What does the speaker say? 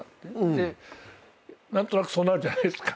で何となくそうなるじゃないですか。